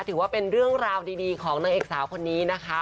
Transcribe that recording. ถือว่าเป็นเรื่องราวดีของนางเอกสาวคนนี้นะคะ